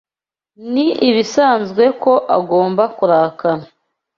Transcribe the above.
Ni ibisanzwe ko agomba kurakara